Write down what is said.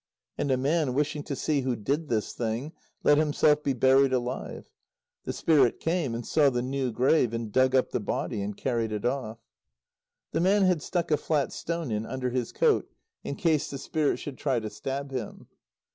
And a man, wishing to see who did this thing, let himself be buried alive. The Spirit came, and saw the new grave, and dug up the body, and carried it off. The man had stuck a flat stone in under his coat, in case the Spirit should try to stab him.